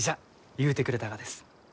ゆうてくれたがです。